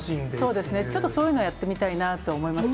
そうですね、ちょっとそういうのはやってみたいなと思いますね。